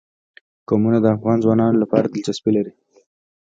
قومونه د افغان ځوانانو لپاره دلچسپي لري.